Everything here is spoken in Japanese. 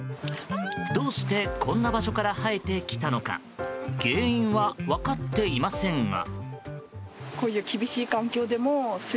どうしてこんな場所から生えてきたのか原因は分かっていませんが。